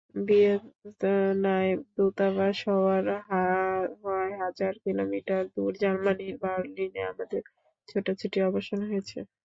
ভিয়েনায় দূতাবাস হওয়ায় হাজার কিলোমিটার দূর জার্মানির বার্লিনে আমাদের ছোটাছুটির অবসান হয়েছে।